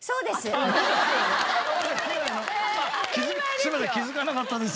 すいません気づかなかったです。